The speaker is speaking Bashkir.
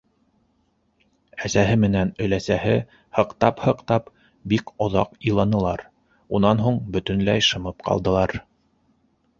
Әсәһе менән өләсәһе һыҡтап-һыҡтап бик оҙаҡ иланылар, унан һуң бөтөнләй шымып ҡалдылар.